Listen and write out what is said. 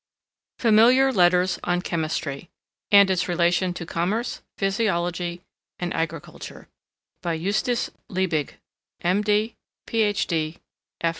FAMILIAR LETTERS ON CHEMISTRY, AND ITS RELATION TO COMMERCE, PHYSIOLOGY, AND AGRICULTURE, BY JUSTUS LIEBIG, M.D., PH.